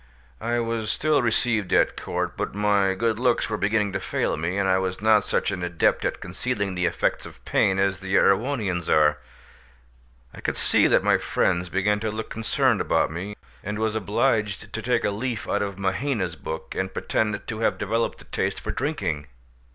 I was still received at court, but my good looks were beginning to fail me, and I was not such an adept at concealing the effects of pain as the Erewhonians are. I could see that my friends began to look concerned about me, and was obliged to take a leaf out of Mahaina's book, and pretend to have developed a taste for drinking.